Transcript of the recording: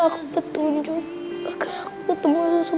aku tetep harus ketemu bunda